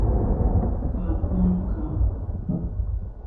Per Bandcamp.